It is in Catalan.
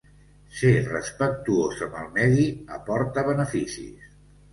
Ser respectuós amb el medi aporta beneficis.